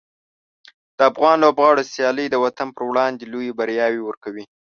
د افغان لوبغاړو سیالۍ د وطن پر وړاندې لویې بریاوې ورکوي.